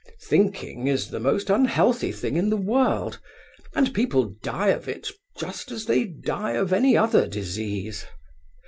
Thinking is the most unhealthy thing in the world, and people die of it just as they die of any other disease.